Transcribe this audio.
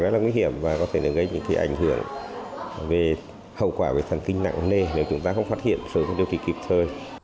trẻ em có thể đưa ra những hậu quả rất nặng nề